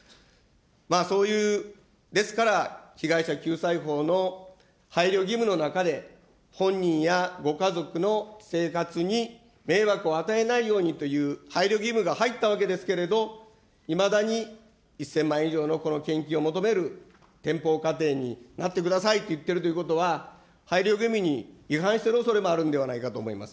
そういう、ですから、被害者救済法の配慮義務の中で、本人やご家族の生活に迷惑を与えないようにという配慮義務が入ったわけですけれど、いまだに１０００万以上の献金を求める天ぽう家庭になってくださいっていってるっていうことは、配慮義務に違反しているおそれもあるのではないかと思います。